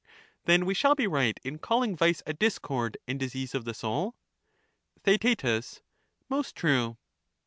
Then we shall be right in calling vice a discord and y*'=*""' disease of the soul? Ignorance. TheaeU Most true.